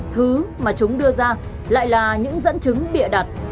thứ mà chúng đưa ra lại là những dẫn chứng bịa đặt